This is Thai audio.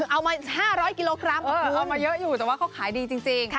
เอามา๕๐๐กิโลกรัมเอามาเยอะอยู่แต่ว่าเขาขายดีจริง